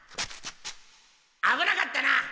あぶなかったな。